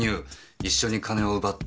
一緒に金を奪って殺害。